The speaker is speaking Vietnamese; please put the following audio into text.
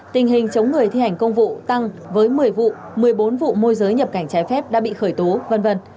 tình hình chống người thi hành công vụ tăng với một mươi vụ một mươi bốn vụ môi giới nhập cảnh trái phép đã bị khởi tố v v